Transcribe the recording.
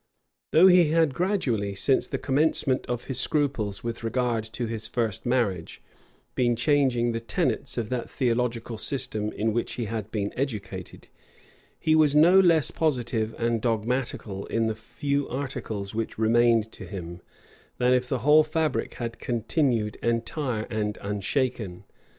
Though he had gradually, since the commencement of his scruples with regard to his first marriage, been changing the tenets of that theological system in which he had been educated, he was no less positive and dogmatical in the few articles which remained to him, than if the whole fabric had continued entire and unshaken.